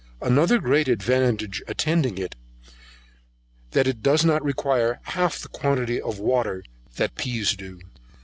Another great advantage attending it, that it does not require half the quantity of water that pease do.